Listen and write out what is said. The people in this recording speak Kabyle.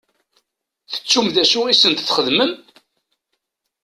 Tettum d acu i sent-txedmem?